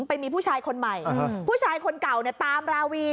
ไปมีผู้ชายคนใหม่ผู้ชายคนเก่าเนี่ยตามราวี